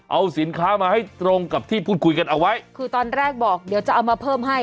เอาสินค้ามาให้ตรงกับที่พูดคุยกันเอาไว้คือตอนแรกบอกเดี๋ยวจะเอามาเพิ่มให้